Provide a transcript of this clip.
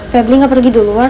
febri gak pergi dulu wak